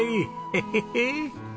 ヘヘヘ！